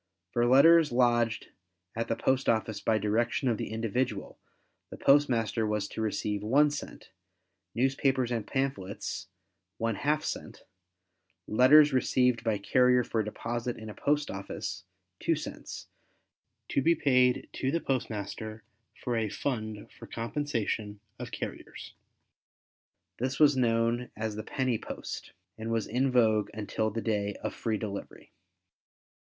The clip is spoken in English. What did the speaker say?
For letters lodged at the post office by direction of the individual, the postmaster was to receive 1 cent; newspapers and pamphlets ½ cent; letters received by carrier for deposit in a post office, 2 cents, to be paid to the postmaster for a fund for compensation of carriers. This was known as the "penny post" and was in vogue until the day of free delivery.